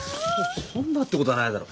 そんなってことはないだろ。